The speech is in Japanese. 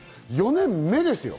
４年目ですよ！